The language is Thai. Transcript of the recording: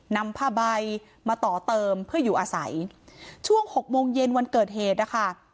นำผ้าใบมาต่อเติมเพื่ออยู่อาศัยช่วงหกโมงเย็นวันเกิดเหตุนะคะ